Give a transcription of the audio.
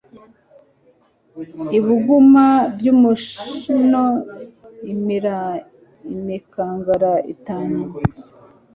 ibuguma y'umushino imira imikangara itanu